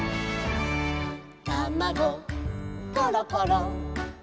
「たまごころころ」